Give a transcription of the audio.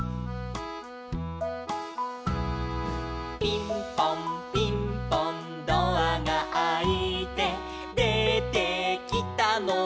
「ピンポンピンポンドアがあいて」「出てきたのは」